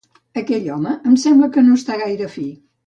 Aquell home em sembla que no està gaire fi